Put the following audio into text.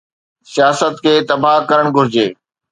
سياست کي تباهه ڪرڻ گهرجي.